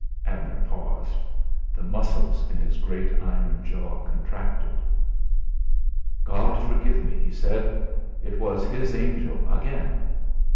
Abner paused; the muscles of his great iron jaw contracted. "God forgive me," he said; "it was His angel again!